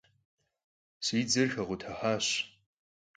Si dzer xekhutıhaş.